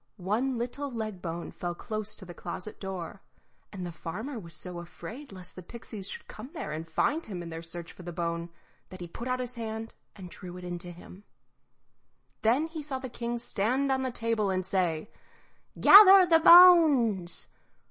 One little leg bone fell close to the closet door, and the farmer was so afraid lest the pixies should come there and find him in their search for the bone, that he put out his hand and drew it in to him. Then he saw the king stand on the table and say, "Gather the bones!"